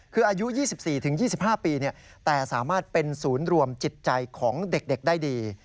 คืออายุ๒๔๒๕ปีแต่สามารถเป็นศูนย์รวมจิตใจของเด็กได้ดี